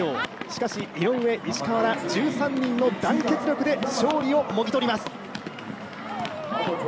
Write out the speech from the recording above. しかし井上、石川ら１３人の団結力で勝利をもぎ取ります。